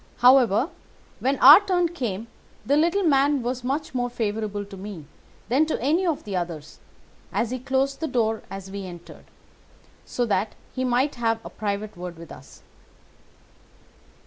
However, when our turn came the little man was much more favourable to me than to any of the others, and he closed the door as we entered, so that he might have a private word with us.